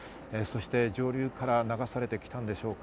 上流から流されてきたんでしょうか。